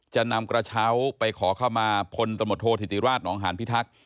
จะนำกระเช้าไปขอเข้ามาพลตำรวจโทษธิติราชหนองหานพิทักษ์